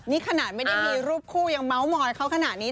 นี่ขนาดไม่ได้มีรูปคู่ยังเมาส์มอยเขาขนาดนี้